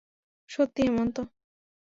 সত্যি, হেমন্ত।